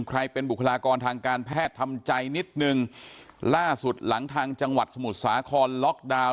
ใครเป็นบุคลากรทางการแพทย์ทำใจนิดนึงล่าสุดหลังทางจังหวัดสมุทรสาครล็อกดาวน์